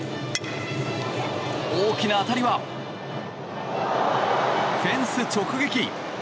大きな当たりはフェンス直撃！